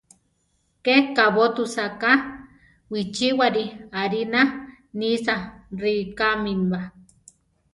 Ke kabótusa ka, bichíwari arina nisa rikámiba.